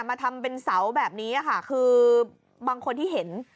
มาทำเป็นเสาแบบนี้ค่ะคือบางคนที่เห็น